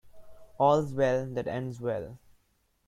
All's well that ends well.